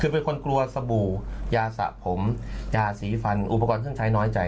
คือเป็นคนกลัวสบู่ยาสะผมยาสีฟันอุปกรณ์เครื่องใช้น้อยใจ